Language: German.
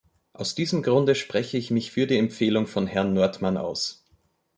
Aus diesem Grunde spreche ich mich für die Empfehlung von Herrn Nordmann aus.